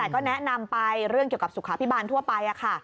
ก็แนะนำไปเรื่องเกี่ยวกับสุขาพิบาลทั่วไป